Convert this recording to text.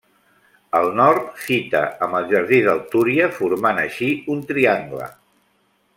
Al nord fita amb el jardí del Túria, formant així un triangle.